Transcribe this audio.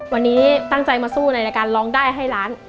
วันนี้ตั้งใจมาสู้ในรายการร้องได้ให้ล้าน